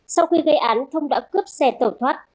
sau khi gây án thông đã cướp xe tẩu thoát